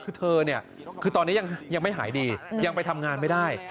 คือเธอเนี่ยคือตอนนี้ยังไม่หายดียังไปทำงานไม่ได้